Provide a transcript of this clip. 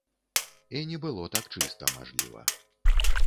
І не было так чыста, мажліва.